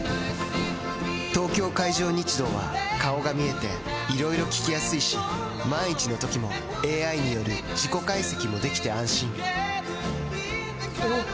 東京海上日動は顔が見えていろいろ聞きやすいし万一のときもＡＩによる事故解析もできて安心おぉ！